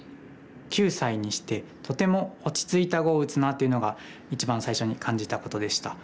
９歳にしてとても落ち着いた碁を打つなあというのが一番最初に感じたことでした。